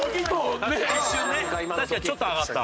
確かにちょっと上がった。